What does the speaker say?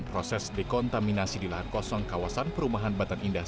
proses dekontaminasi di lahan kosong kawasan perumahan batan indah